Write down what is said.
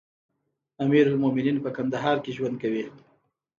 امير المؤمنين په کندهار کې ژوند کوي.